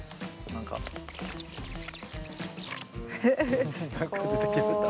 何か出てきました。